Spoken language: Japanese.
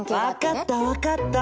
分かった分かった！